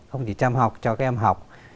không chỉ chăm học cho các em học